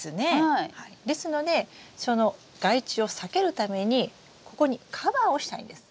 ですのでその害虫を避けるためにここにカバーをしたいんです。